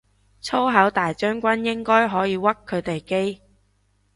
粗口大將軍應該可以屈佢哋機